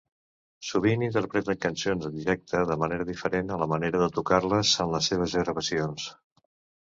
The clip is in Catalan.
Sovint interpreten cançons en directe de manera diferent a la manera de tocar-les en les seves gravacions.